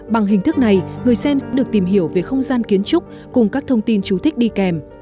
bằng hình thức này người xem sẽ được tìm hiểu về không gian kiến trúc cùng các thông tin chú thích đi kèm